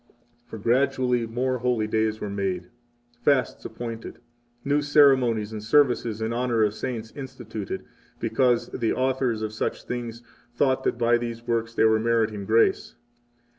For gradually more holy days were made, fasts appointed, new ceremonies and services in honor of saints instituted, because the authors of such things thought that by these works they were meriting 38 grace.